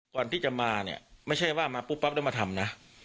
ก่อนที่จะมาเนี่ยไม่ใช่ว่ามาปุ๊บปั๊บแล้วมาทำนะ